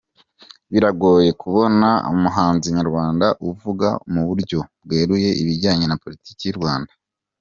Biragoye kubona umuhanzi nyarwanda uvuga mu buryo bweruye ibijyanye na Politiki y’u Rwanda.